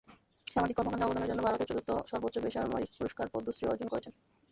সামাজিক কর্মকাণ্ডে অবদানের জন্য ভারতের চতুর্থ সর্বোচ্চ বেসামরিক পুরস্কার পদ্মশ্রীও অর্জন করেছেন।